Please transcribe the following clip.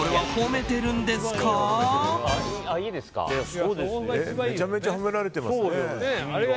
めちゃめちゃ褒められてますね。